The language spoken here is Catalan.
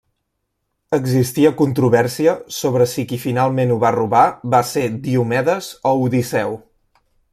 Existia controvèrsia sobre si qui finalment ho va robar va ser Diomedes o Odisseu.